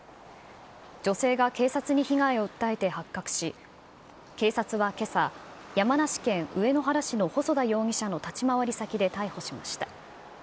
女性が警察に被害を訴えて発覚し、警察はけさ、山梨県上野原市の細田容疑者の立ち回り先で逮捕しました。